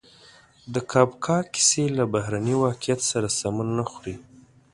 د کافکا کیسې له بهرني واقعیت سره سمون نه خوري.